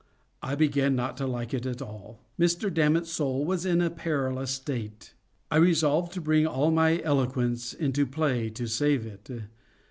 I began not to like it at all. Mr. Dammits soul was in a perilous state. I resolved to bring all my eloquence into play to save it.